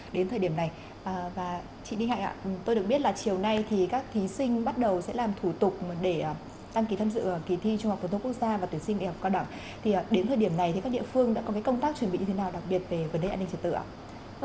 đến thời điểm này thì các địa phương đã có công tác chuẩn bị như thế nào đặc biệt về vấn đề an ninh trật tự ạ